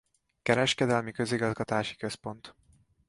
Kereskedelmi-közigazgatási központ.